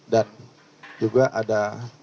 dan juga ada